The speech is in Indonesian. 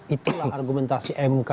itulah argumentasi mk